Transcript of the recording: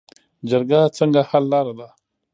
جرګه څنګه حل لاره ده؟